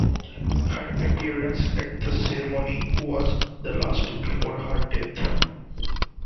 Her appearance at the ceremony was the last before her death.